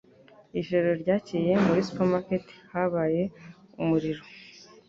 Ijoro ryakeye muri supermarket habaye umuriro